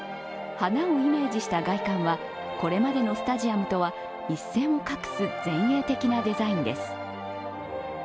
花をイメージした外観はこれまでのスタジアムとは一線を画す前衛的なデザインです。